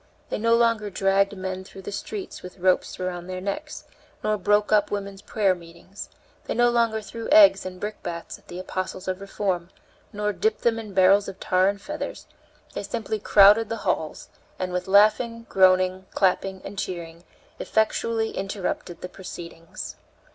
They no longer dragged men through the streets with ropes around their necks, nor broke up women's prayer meetings; they no longer threw eggs and brickbats at the apostles of reform, nor dipped them in barrels of tar and feathers, they simply crowded the halls, and, with laughing, groaning, clapping, and cheering, effectually interrupted the proceedings.